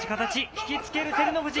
引き付ける照ノ富士。